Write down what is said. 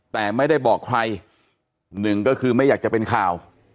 แต่ไม่ได้บอกใครหนึ่งก็คือไม่อยากจะเป็นข่าว